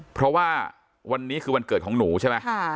เพราะว่าวันนี้คือวันเกิดของหนูใช่ไหม